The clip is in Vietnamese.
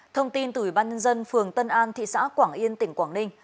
thông tin từ ủy ban nhân dân phường tân an thị xã quảng yên tỉnh quảng ninh